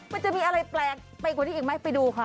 มันจะมีอะไรแปลกไปกว่านี้อีกไหมไปดูค่ะ